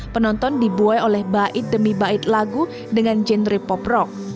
penonton dibuai oleh bait demi bait lagu dengan genre pop rock